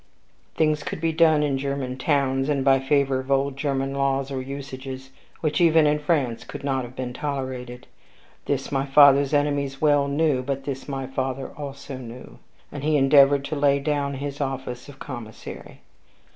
Things could be done in German towns, and by favor of old German laws or usages, which even in France could not have been tolerated. This my father's enemies well knew, but this my father also knew; and he endeavored to lay down his office of commissary.